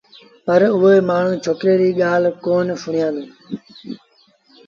پر اُئي مآڻهوٚٚݩ ڇوڪري ريٚ ڳآل ڪونا سُوآݩدي